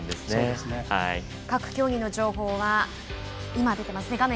各競技の情報は今、出ていますね。